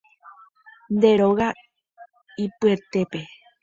Nde róga ypyetépe